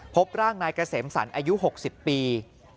พบร่างนายเกษมสรรอายุ๖๐ปี